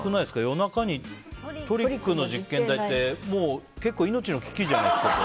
夜中にトリックの実験台に！？って結構、命の危機じゃないですか。